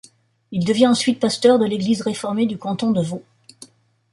Il devient ensuite pasteur de l'Église réformée du canton de Vaud.